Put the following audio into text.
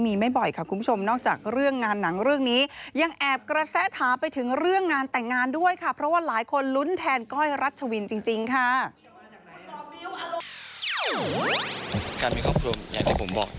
มีไม่บ่อยค่ะคุณผู้ชมนอกจากเรื่องงานหนังเรื่องนี้